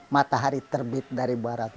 matahari terbit dari barat